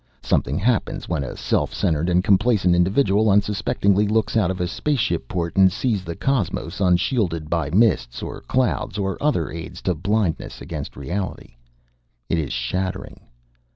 Something happens when a self centered and complacent individual unsuspectingly looks out of a spaceship port and sees the cosmos unshielded by mists or clouds or other aids to blindness against reality. It is shattering.